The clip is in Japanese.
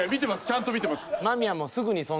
ちゃんと見てます。